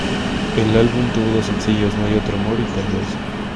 El álbum tuvo dos sencillos "No hay otro amor" y "Tal vez".